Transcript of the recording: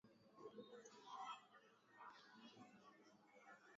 kuwajengea mahekalu pale walipokaa Kule Misri na sehemu za Kurene